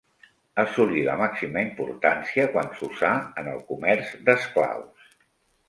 Assolí la màxima importància quan s'usà en el comerç d'esclaus.